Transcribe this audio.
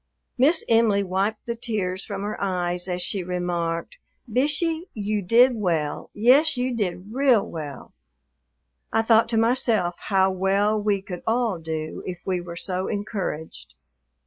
Miss Em'ly wiped the tears from her eyes as she remarked, "Bishey, you did well; yes, you did real well." I thought to myself how well we could all do if we were so encouraged.